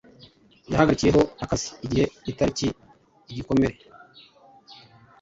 yahagarikiyeho akazi igihe itariki igikomere